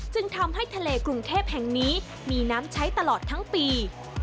จึงทำให้ทะเลกรุงเทพแห่งนี้มีน้ำใช้ตลอดทั้งปี